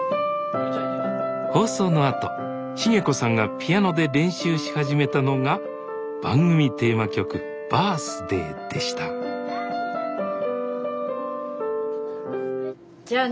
放送のあと茂子さんがピアノで練習し始めたのが番組テーマ曲「Ｂｉｒｔｈｄａｙ」でしたあ！